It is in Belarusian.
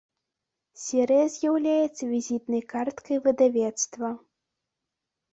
Серыя з'яўляецца візітнай карткай выдавецтва.